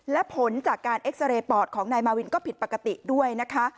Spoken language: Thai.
และผลจากการเอ็กซาเรย์ปอดของนายมาวินก็ผิดปกติด้วยนะคะ